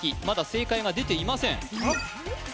まだ正解が出ていません